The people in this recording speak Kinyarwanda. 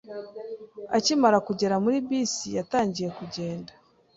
Akimara kugera muri bisi, yatangiye kugenda.